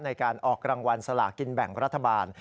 ในการออกรางวัลสลากินแบ่งรัฐบาล